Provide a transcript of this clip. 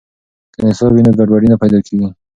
که نصاب وي نو ګډوډي نه پیدا کیږي.